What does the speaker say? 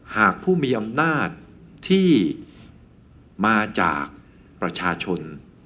หากผู้มีอำนาจที่มาจากประชาชน